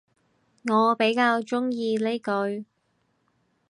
我比較鍾意呢句